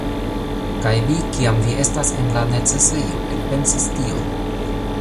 Kaj vi kiam vi estas en la necesejo elpensis tion!